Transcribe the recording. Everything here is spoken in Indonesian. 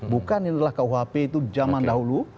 bukan ini adalah kuhp itu zaman dahulu